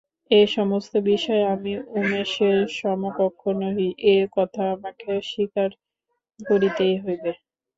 এ-সমস্ত বিষয়ে আমি উমেশের সমকক্ষ নহি, এ কথা আমাকে স্বীকার করিতেই হইবে।